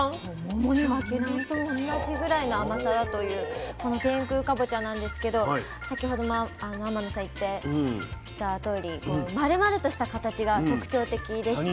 桃と同じぐらいの甘さだというこの天空かぼちゃなんですけど先ほども天野さん言ってたとおりこのまるまるとした形が特徴的でして。